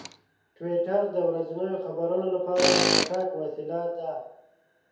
ټویټر د ورځنیو خبرونو لپاره چټک وسیله ده.